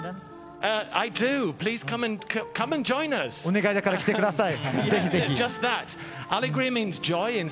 お願いだから来てください。